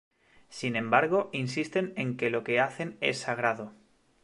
Sin embargo, insisten en que lo que hacen es sagrado.